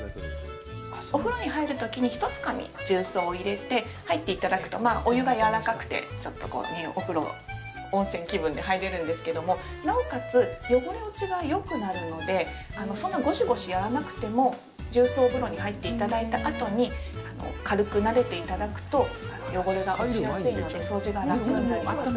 お風呂に入るときに１つかみ、重曹を入れて入っていただくと、まあお湯がやわらかくて、ちょっとお風呂、温泉気分で入れるんですけども、なおかつ、汚れ落ちがよくなるので、そんなごしごしやらなくても、重曹風呂に入っていただいたあとに、軽くなでていただくと、汚れが落ちやすいので、掃除が楽になります。